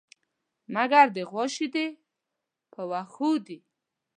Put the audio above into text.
مگر د غوا شيدې په وښو دي.